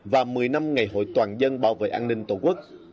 và một mươi năm ngày hội toàn dân bảo vệ an ninh tổ quốc